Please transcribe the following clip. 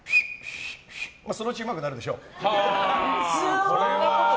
まあ、そのうちうまくなるでしょう。